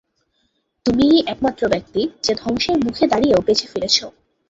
তুমিই একমাত্র ব্যক্তি যে ধ্বংসের মুখে দাঁড়িয়েও বেঁচে ফিরেছ!